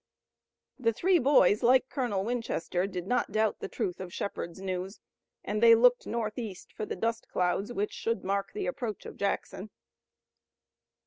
The three boys, like Colonel Winchester, did not doubt the truth of Shepard's news, and they looked northeast for the dust clouds which should mark the approach of Jackson.